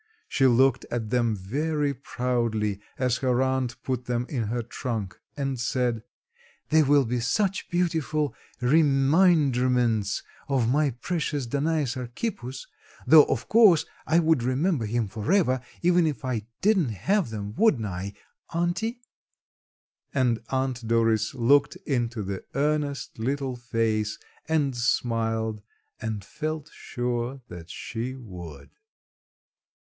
She looked at them very proudly as her aunt put them in her trunk and said, "They will be such beautiful reminderments of my precious Danais Archippus, though of course I would remember him forever even if I didn't have them, wouldn't I, auntie?" and Aunt Doris looked into the earnest little face and smiled and felt sure that she would.